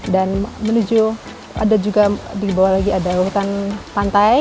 dan menuju ada juga di bawah lagi ada hutan pantai